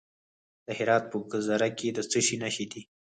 د هرات په ګذره کې د څه شي نښې دي؟